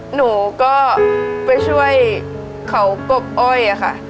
หนูก็ไปช่วยเขากบอ้อยค่ะ